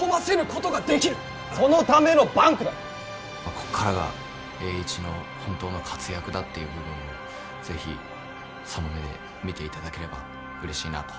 ここからが栄一の本当の活躍だという部分を是非その目で見ていただければうれしいなと思います。